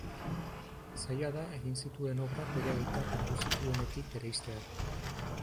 Zaila da egin zituen obrak bere aitak ondu zituenetik bereiztea.